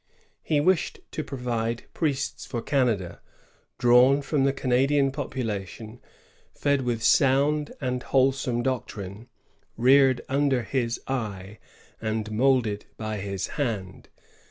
He wished to provide priests for Canada, drawn from the Canadian population, fed with sound and wholesome doctrine, reared under his eye, and moulded by his hand.